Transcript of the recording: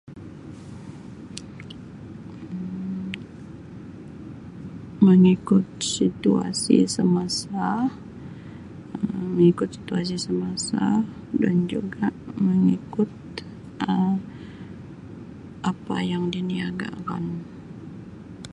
Um Mengikut situasi semasa Um mengikut situasi semasa dan juga mengikut Um apa yang diniagakan.